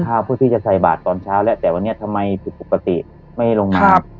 ข้าวเพื่อที่จะใส่บาตตอนเช้าแล้วแต่วันนี้ทำไมถึงปกติไม่ให้ลงมา